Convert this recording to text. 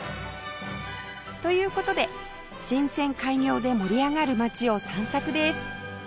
という事で新線開業で盛り上がる街を散策です